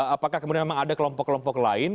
apakah kemudian memang ada kelompok kelompok lain